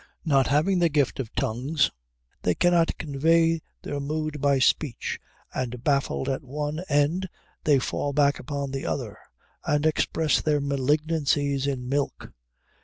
Not having the gift of tongues they cannot convey their mood by speech, and baffled at one end they fall back upon the other and express their malignancies in milk."